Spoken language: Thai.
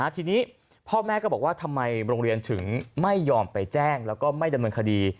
ทีนี้พ่อแม่ก็บอกว่าทำไมโรงเรียนถึงไม่ยอมไปแจ้งแล้วก็ไม่ดำเนินคดี